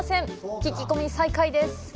聞き込み再開です！